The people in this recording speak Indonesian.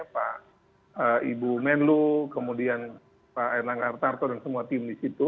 pak ibu menlu pak erlang artarto dan semua tim di situ